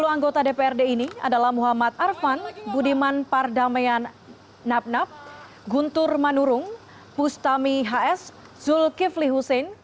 sepuluh anggota dprd ini adalah muhammad arfan budiman pardameyan napnap guntur manurung pustami hs zulkifli hussein